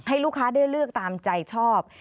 ให้ลูกค้าได้เลือกตามใจชอบ